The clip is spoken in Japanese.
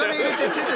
手で。